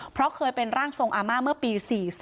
เพราะเคยเป็นร่างทรงอาม่าเมื่อปี๔๐